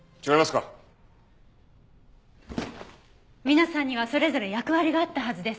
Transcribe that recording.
皆さんにはそれぞれ役割があったはずです。